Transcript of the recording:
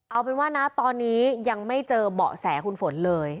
เอาเป็นว่านะตอนนี้ยังไม่เจอเบาะแสคุณฝนเลย